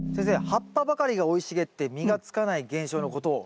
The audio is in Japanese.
葉っぱばかりが生い茂って実がつかない現象のことを？